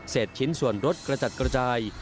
ชิ้นส่วนรถกระจัดกระจาย